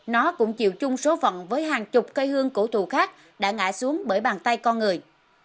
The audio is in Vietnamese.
nó cũng chịu chung số phận với hàng chục cây hương cổ thụ khác đã ngã xuống bởi bàn tay con người